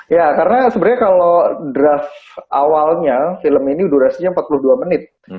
ya karena sebenarnya kalau draft awalnya film ini durasinya empat puluh dua menit